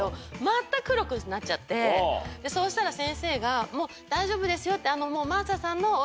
そうしたら先生がもう大丈夫ですよって。